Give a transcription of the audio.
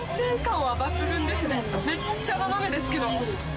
めっちゃ斜めですけど。